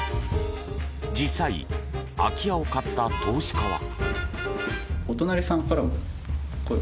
実際、空き家を買った投資家は。